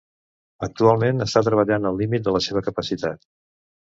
Actualment està treballant al límit de la seva capacitat.